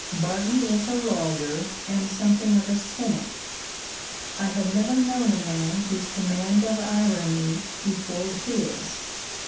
Barton is a lawyer and something of a cynic. I have never known a man whose command of irony equaled his.